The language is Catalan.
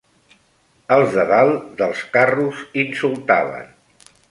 Els de dalt dels carros insultaven